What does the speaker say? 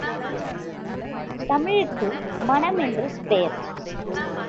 தமிழுக்கு மணமென்று பேர்!